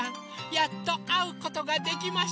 やっとあうことができました。